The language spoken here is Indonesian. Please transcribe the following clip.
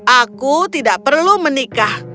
aku tidak perlu menikah